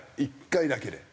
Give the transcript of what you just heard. １回だけで。